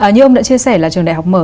như ông đã chia sẻ là trường đại học mở